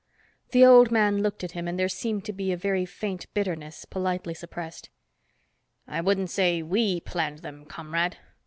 The old man looked at him and there seemed to be a very faint bitterness, politely suppressed. "I wouldn't say we planned them, comrade.